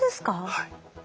はい。